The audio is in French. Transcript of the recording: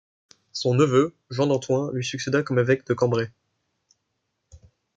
Son neveu, Jean d’Antoing, lui succéda comme évêque de Cambrai.